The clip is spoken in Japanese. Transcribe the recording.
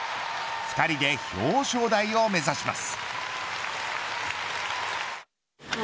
２人で表彰台を目指します。